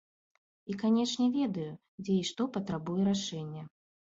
І канечне ведаю, дзе і што патрабуе рашэння.